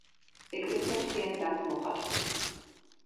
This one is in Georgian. ეკლესია მთლიანად არის მოხატული.